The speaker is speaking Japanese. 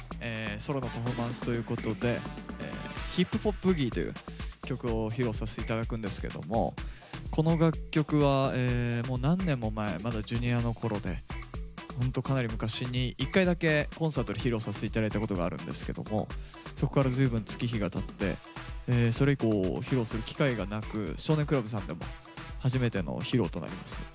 ソロのパフォーマンスということで「ＨｉｐＰｏｐＢｏｏｇｉｅ」という曲を披露させて頂くんですけどもこの楽曲はもう何年も前まだＪｒ．のころでホントかなり昔に一回だけコンサートで披露させて頂いたことがあるんですけどもそこから随分月日がたってそれ以降披露する機会がなく「少年倶楽部」さんでも初めての披露となります。